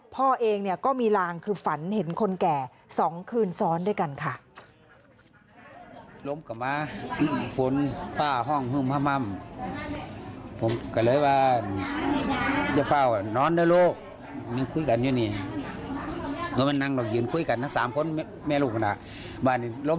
พ่อเองก็มีลางคือฝันเห็นคนแก่๒คืนซ้อนด้วยกันค่ะ